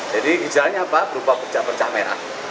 jadi hijauannya apa berupa perca perca merah